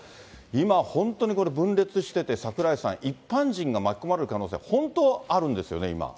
今、本当にこれ、分裂してて、櫻井さん、一般人が巻き込まれる可能性は本当あるんですよね、今。